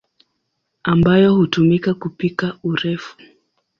ambayo hutumika kupika urefu.